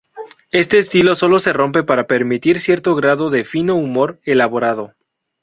Este estilo solo se rompe para permitir cierto grado de fino humor elaborado.